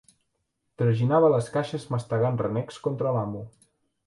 Traginava les caixes mastegant renecs contra l'amo.